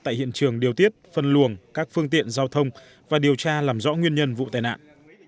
tại hiện trường điều tiết phân luồng các phương tiện giao thông và điều tra làm rõ nguyên nhân vụ tai nạn